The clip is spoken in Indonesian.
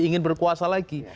ingin berkuasa lagi